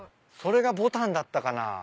それがボタンだったかな？